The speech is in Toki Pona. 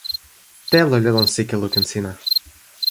telo li lon sike lukin sina.